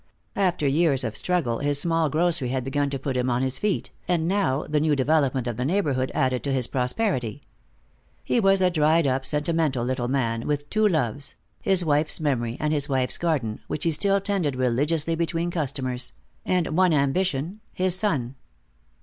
After years of struggle his small grocery had begun to put him on his feet, and now the new development of the neighborhood added to his prosperity. He was a dried up, sentimental little man, with two loves, his wife's memory and his wife's garden, which he still tended religiously between customers; and one ambition, his son.